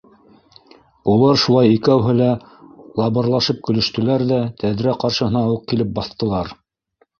— Улар шулай икәүһе лә лабырлашып көлөштөләр ҙә тәҙрә ҡаршыһына уҡ килеп баҫтылар.